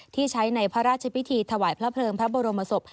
ที่ใช้ในพระราชพิธีถวายพระเพลิงพระบรมศพ